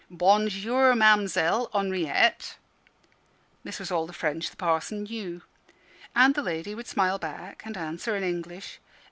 "Bon jour, Mamzelle Henriette" this was all the French the Parson knew. And the lady would smile back and answer in English.